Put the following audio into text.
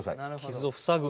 傷を塞ぐ。